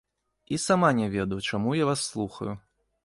І сама не ведаю, чаму я вас слухаю.